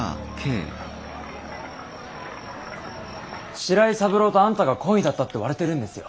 白井三郎とあんたが懇意だったって割れてるんですよ。